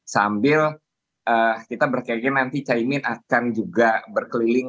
sambil kita berpikir nanti caimin akan juga berkeliling